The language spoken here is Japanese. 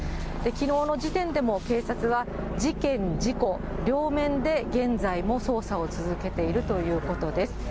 きのうの時点でも、警察は事件、事故、両面で現在も捜査を続けているということです。